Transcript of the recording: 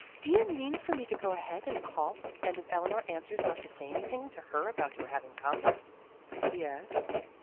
"Do you mean for me to go ahead and call, and if Eleanor answers not to say anything to her about your having come?" "Yes."